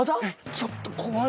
ちょっと怖い！